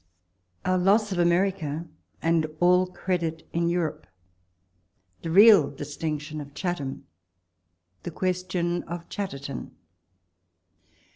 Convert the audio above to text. OUR LOSS OF AMERICA AXD ALL CREDIT IN EUROPE—THE REAL DISTINCTION OF CHATHAM— THE QUESTION OF CHATTER TON.